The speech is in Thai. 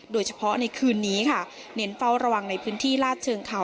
โดยเฉพาะในคืนนี้ค่ะเน้นเฝ้าระวังในพื้นที่ลาดเชิงเขา